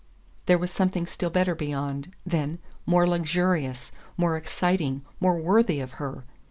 There was something still better beyond, then more luxurious, more exciting, more worthy of her!